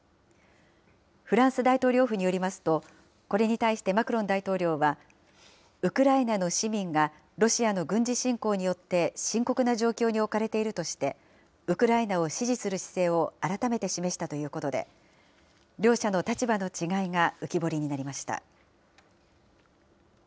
フランス大統領府によりますと、これに対してマクロン大統領は、ウクライナの市民がロシアの軍事侵攻によって深刻な状況に置かれているとして、ウクライナを支持する姿勢を改めて示したということで、両者の立場の違いが浮き彫りになりました。